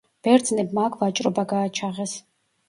ბერძნებმა აქ ვაჭრობა გააჩაღეს.